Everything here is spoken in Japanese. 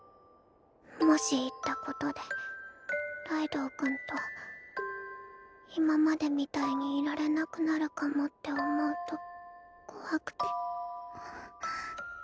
もし言ったことでライドウ君と今までみたいにいられなくなるかもって思うと怖くて。